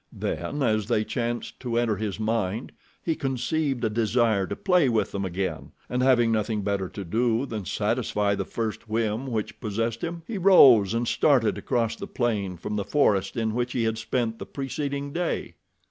Then, as they chanced to enter his mind, he conceived a desire to play with them again, and, having nothing better to do than satisfy the first whim which possessed him, he rose and started across the plain from the forest in which he had spent the preceding day.